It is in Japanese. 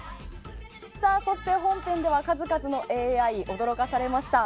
そして、本編では数々のＡＩに驚かされました。